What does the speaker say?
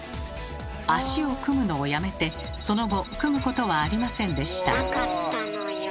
足を組むのをやめてその後組むことはありませんでした。